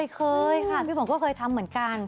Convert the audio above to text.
เคยค่ะพี่ฝนก็เคยทำเหมือนกัน